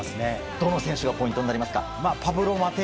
どの選手がポイントになりますか。